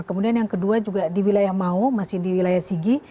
kemudian yang kedua juga di wilayah mau masih di wilayah sigi